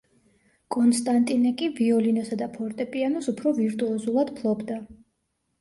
კონსტანტინე კი ვიოლინოსა და ფორტეპიანოს უფრო ვირტუოზულად ფლობდა.